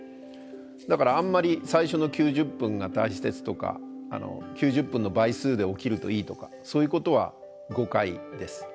だからあんまり最初の９０分が大事ですとか９０分の倍数で起きるといいとかそういうことは誤解です。